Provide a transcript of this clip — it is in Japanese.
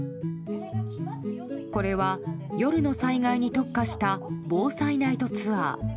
これは夜の災害に特化した防災ナイトツアー。